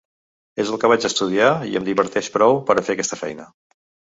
És el que vaig estudiar i em diverteix prou per a fer aquesta feina.